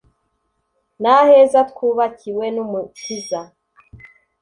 n' aheza twubakiwe n'umukiza.